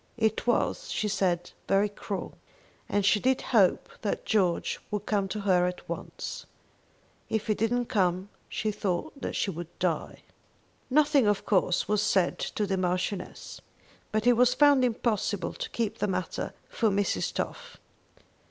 It was, she said, very cruel, and she did hope that George would come to her at once. If he didn't come she thought that she would die. Nothing, of course, was said to the Marchioness, but it was found impossible to keep the matter from Mrs. Toff.